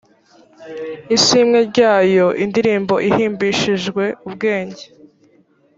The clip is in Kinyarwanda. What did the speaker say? ishimwe ryayo indirimbo ihimbishijwe ubwenge